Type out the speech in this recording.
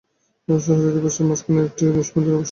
সহসা দিবসের কর্মের মাঝখানে একটি নিষ্পন্দসুন্দরী অবসরপ্রতিমা।